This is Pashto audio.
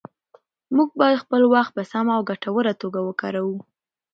موږ باید خپل وخت په سمه او ګټوره توګه وکاروو